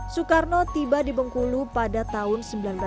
soekarno tiba di bengkulu pada tahun seribu sembilan ratus sembilan puluh